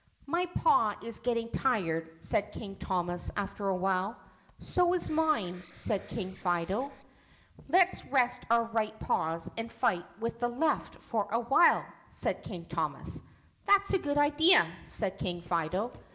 "My paw is getting tired," said King Thomas after a while. "So is mine," said King Fido. "Let 's rest our right paws and fight with the left for a while," said King Thomas. "That 's a good idea," said King Fido.